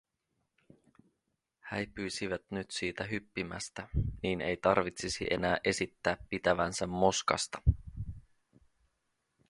Häipyisivät nyt siitä hyppimästä, niin ei tarvitsisi enää esittää pitävänsä moskasta.